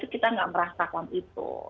kita gak merasakan itu